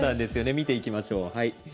見ていきましょう。